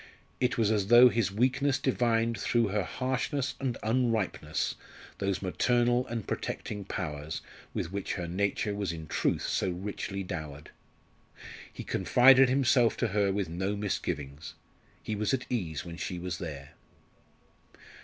It was as though his weakness divined through her harshness and unripeness those maternal and protecting powers with which her nature was in truth so richly dowered. He confided himself to her with no misgivings. He was at ease when she was there.